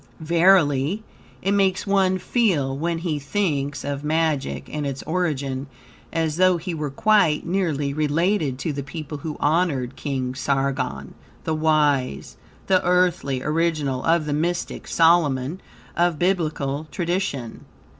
Verily, it makes one feel, when be thinks of magic and its origin, as though he were quite nearly related to the people who honored King Sargon, the Wise, the earthly original of the mystic Solomon of Biblical tradition.